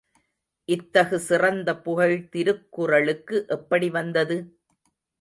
இத்தகு சிறந்த புகழ் திருக்குறளுக்கு எப்படி வந்தது?